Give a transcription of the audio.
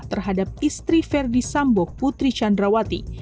terhadap istri verdi sambong putri chandrawati